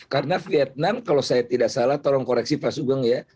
karena vietnam kalau saya tidak salah tolong koreksi pak sugeng ya